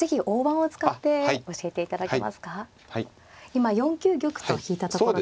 今４九玉と引いたところです。